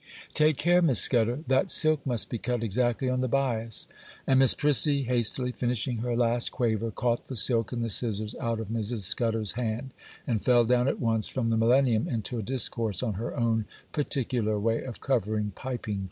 'Take care, Miss Scudder!—that silk must be cut exactly on the bias;' and Miss Prissy, hastily finishing her last quaver, caught the silk and the scissors out of Mrs. Scudder's hand, and fell down at once from the Millennium into a discourse on her own particular way of covering piping cord.